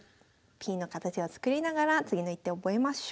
Ｐの形を作りながら次の一手覚えましょう。